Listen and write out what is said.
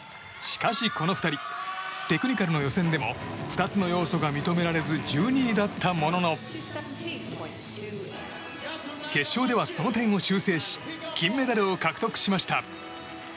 しかし、この２人テクニカルの予選でも２つの要素が認められず１２位だったものの決勝では、その点を修正し金メダルを獲得しました。